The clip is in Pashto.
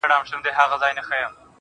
اوښکي دې توی کړلې ډېوې، راته راوبهيدې.